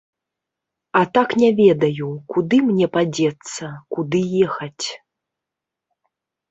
А так не ведаю, куды мне падзецца, куды ехаць.